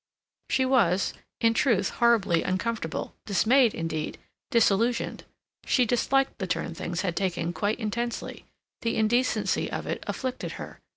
She was, in truth, horribly uncomfortable, dismayed, indeed, disillusioned. She disliked the turn things had taken quite intensely. The indecency of it afflicted her.